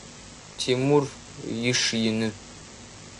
Тимур иш ины.